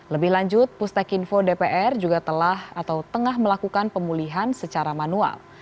lebih lanjut pustek info dpr juga telah atau tengah melakukan pemulihan secara manual